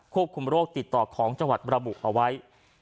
ควบคุมโรคติดต่อของจังหวัดระบุเอาไว้